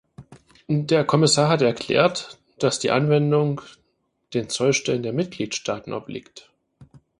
Der Kommissar hat erklärt, dass die Anwendung den Zollstellen der Mitgliedstaaten obliegt.